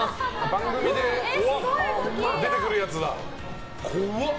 番組で出てくるやつだ。